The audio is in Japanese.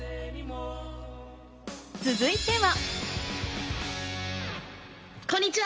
続いては。